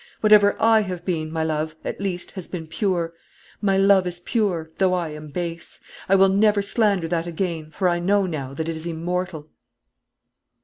Whatever I have been, my love, at least, has been pure. My love is pure, though I am base. I will never slander that again, for I know now that it is immortal."